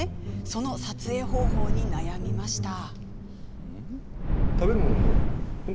その撮影方法に悩みました。